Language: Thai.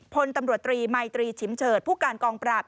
พลตำรวจตรีมัยตรีชิมเฉิดผู้การกองปราบ